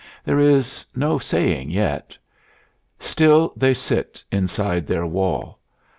There is no saying yet. Still they sit inside their wall.